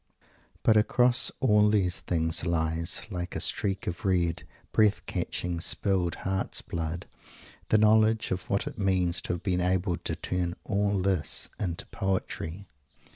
But across all these things lies, like a streak of red, breath catching, spilled heart's blood, the knowledge of what it means to have been able to turn all this into poetry!